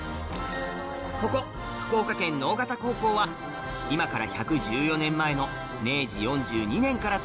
ここ福岡県直方高校は今から１１４年前の明治４２年から続く歴史ある学校